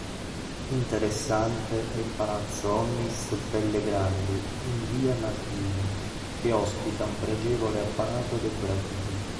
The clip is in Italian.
Interessante è il palazzo Onnis-Bellegrandi in via Martini, che ospita un pregevole apparato decorativo.